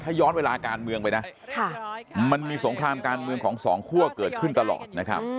ถ้าย้อนเวลาการเมืองไปนะมันมีสงครามการเมืองของสองคั่วเกิดขึ้นตลอดนะครับ